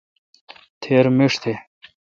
تھیر مݭ تھ۔